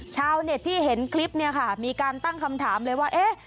ชาวเน็ตที่เห็นคลิปเนี่ยค่ะมีการตั้งคำถามเลยว่าเอ๊ะ